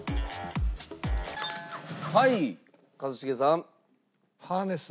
はい一茂さん。